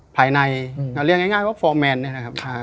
ภายในเรียกง่ายว่าฟอร์แมนเนี่ยนะครับ